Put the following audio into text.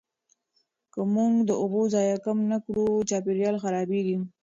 که موږ د اوبو ضایع کم نه کړو، چاپیریال خرابېږي.